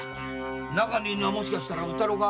中にいるのはもしかしたら宇太郎か？